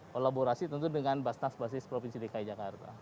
kolaborasi tentu dengan basnas basis provinsi dki jakarta